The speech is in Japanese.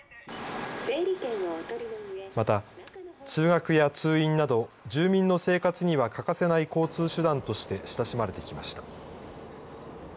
また通学や通院など、住民の生活には欠かせない交通手段として親しまれてきました。